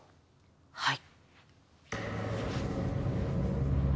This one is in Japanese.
はい。